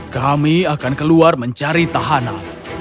kami akan keluar mencari tahanan